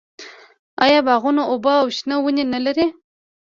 آیا باغونه اوبه او شنه ونې نلري؟